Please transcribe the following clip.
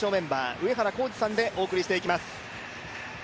上原浩治さんでお送りしていきます。